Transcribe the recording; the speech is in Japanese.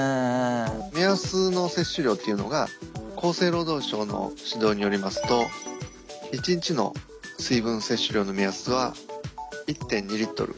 目安の摂取量っていうのが厚生労働省の指導によりますと１日の水分摂取量の目安は１．２Ｌ。